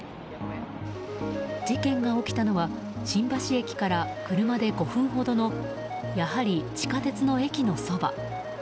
事件が起きたのは新橋駅から車で５分ほどのやはり地下鉄の駅のそば。